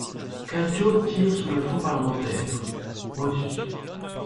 Cadio tire sur le faux parlementaire.) MOTUS.